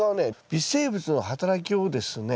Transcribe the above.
微生物の働きをですね